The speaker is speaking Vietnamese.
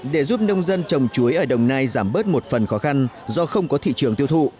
để giúp nông dân trồng chuối ở đồng nai giảm bớt một phần khó khăn do không có thị trường tiêu thụ